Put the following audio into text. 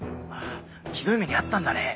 ひどい目に遭ったんだね。